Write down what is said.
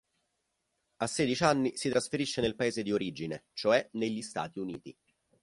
A sedici anni si trasferisce nel paese di origine, cioè negli Stati Uniti.